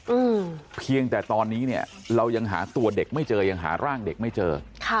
อืมเพียงแต่ตอนนี้เนี้ยเรายังหาตัวเด็กไม่เจอยังหาร่างเด็กไม่เจอค่ะ